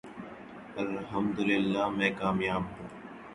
الحمدللہ میں کامیاب ہوں۔